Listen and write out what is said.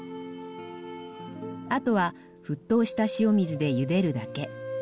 あとは沸騰した塩水でゆでるだけ。